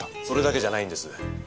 それだけじゃないんです。